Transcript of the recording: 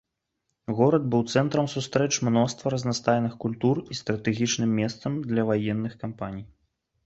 Горад быў цэнтрам сустрэч мноства разнастайных культур і стратэгічным месцам для ваенных кампаній.